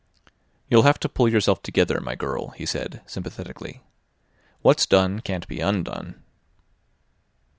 "You'll have to pull yourself together, my girl," he said sympathetically. "What's done can't be undone."